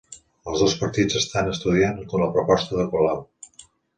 Els dos partits estan estudiant la proposta de Colau